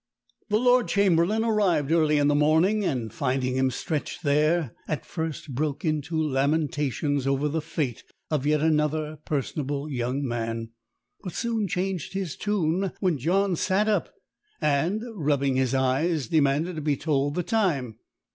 The Lord Chamberlain arrived early in the morning, and, finding him stretched there, at first broke into lamentations over the fate of yet another personable young man; but soon changed his tune when John sat up, and, rubbing his eyes, demanded to be told the time.